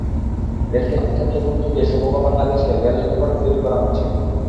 রেলকে সবচেয়ে গুরুত্ব দিয়ে সমগ্র বাংলাদেশে রেল নেটওয়ার্ক তৈরি করা হয়েছে।